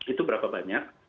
itu berapa banyak